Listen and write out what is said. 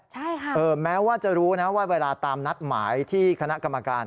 ใช่ค่ะแม้ว่าจะรู้นะว่าเวลาตามนัดหมายที่คณะกรรมการ